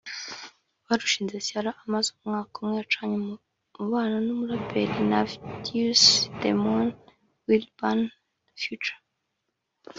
Barushinze Ciara amaze umwaka umwe acanye umubano n’umuraperi Nayvadius DeMun Wilburn [Future]